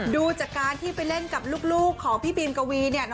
ดูจากการที่ไปเล่นกับลูกของพี่บีมกวีเนี่ย